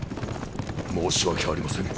申し訳ありません。